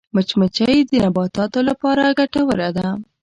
مچمچۍ د نباتاتو لپاره ګټوره ده